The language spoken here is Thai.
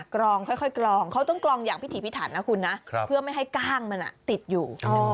กรองค่อยกรองเขาต้องกรองอย่างพิถีพิถันนะคุณนะเพื่อไม่ให้กล้างมันติดอยู่